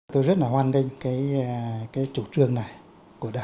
tôi rất là hoan nghênh cái chủ trương này của đảng